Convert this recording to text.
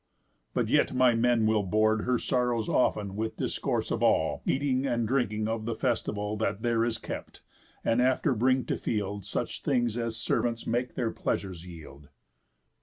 But yet my men will board Her sorrows often with discourse of all, Eating and drinking of the festival That there is kept, and after bring to field Such things as servants make their pleasures yield."